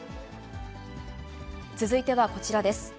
続いてはこちらです。